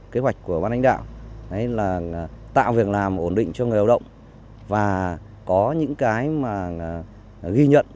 kế hoạch của ban đánh đạo là tạo việc làm ổn định cho người lao động và có những cái mà ghi nhận